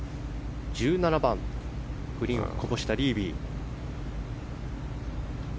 １７番、グリーンをこぼしたリービー。